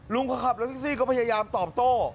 รถแท็กซี่ก็พยายามตอบโต้